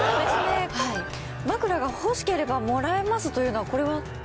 はい枕が欲しければ貰えますというのはこれは。